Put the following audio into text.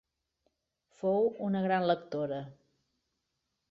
Fou una gran lectora.